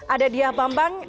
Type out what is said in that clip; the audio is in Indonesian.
ada dia pambang